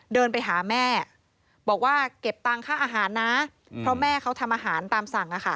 เดินไปหาแม่บอกว่าเก็บตังค่าอาหารนะเพราะแม่เขาทำอาหารตามสั่ง